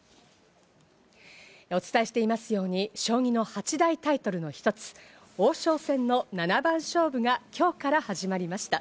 お伝えしていますように、将棋な８大タイトルの一つ、王将戦の七番勝負が今日から始まりました。